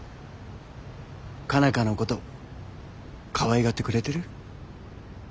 佳奈花のことかわいがってくれてる？